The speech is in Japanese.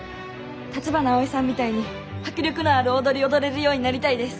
橘アオイさんみたいに迫力のある踊りを踊れるようになりたいです。